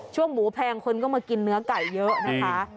หมูแพงคนก็มากินเนื้อไก่เยอะนะคะ